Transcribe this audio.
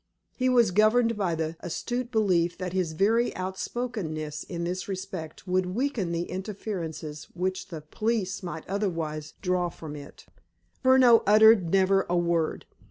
He was governed by the astute belief that his very outspokenness in this respect would weaken the inferences which the police might otherwise draw from it. Furneaux uttered never a word.